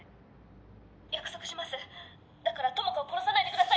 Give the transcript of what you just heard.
約束しますだから友果を殺さないでください